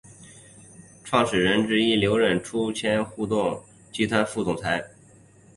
创始人之一刘韧出任千橡互动集团副总裁。